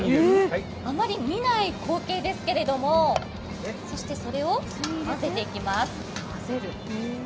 あまり見ない光景ですけれども、そして、それを混ぜていきます。